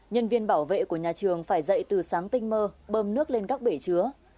nhân viên bảo vệ của nhà trường phải dậy từ sáng tinh mơ bơm nước lên các bể chứa